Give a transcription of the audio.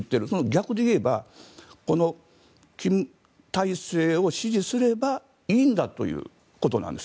逆にいえば金体制を支持すればいいんだということなんです